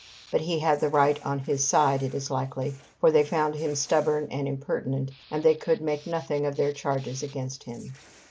But he had the right on his side, it is likely, for they found him stubborn and impertinent, and they could make nothing of their charges against him.